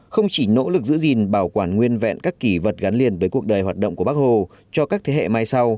không chỉ nỗ lực giữ gìn bảo quản nguyên vẹn các kỳ vật gắn liền với cuộc đời hoạt động của bác hồ cho các thế hệ mai sau